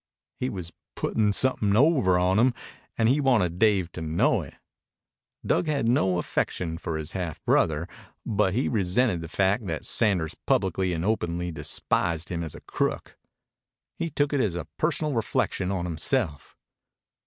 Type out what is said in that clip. He was "puttin' somethin' over on him," and he wanted Dave to know it. Dug had no affection for his half brother, but he resented the fact that Sanders publicly and openly despised him as a crook. He took it as a personal reflection on himself.